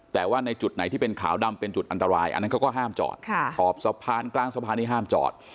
แต่ว่าในจุดไหนที่เป็นขาวดำเป็นจุดอันตรายอันนั้นเขาก็ห้ามจอดขอบสะพานกลางสะพานนี้ห้ามจอด